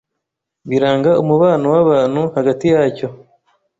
biranga umubano wabantu hagati yacyo.